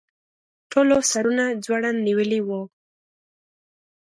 ټولو سرونه ځوړند نیولي وو.